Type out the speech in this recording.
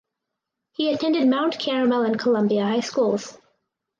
He attended Mount Carmel and Columbia High Schools.